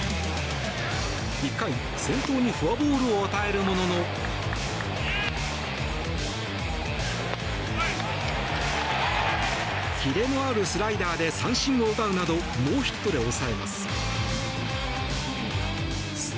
１回、先頭にフォアボールを与えるもののキレのあるスライダーで三振を奪うなどノーヒットで抑えます。